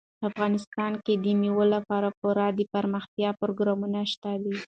افغانستان کې د مېوو لپاره پوره دپرمختیا پروګرامونه شته دي.